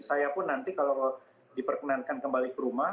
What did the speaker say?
saya pun nanti kalau diperkenankan kembali ke rumah